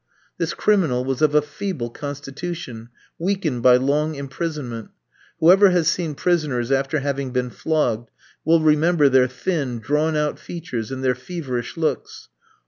This criminal was of a feeble constitution, weakened by long imprisonment. Whoever has seen prisoners after having been flogged, will remember their thin, drawn out features and their feverish looks.